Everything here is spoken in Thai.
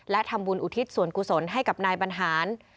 และทำบุญอุทิศส่วนกุศลให้กับนายบรรหาร